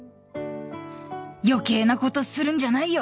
余計なことするんじゃないよ！